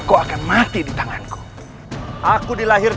aku akan menjadi raja bagi rakyatku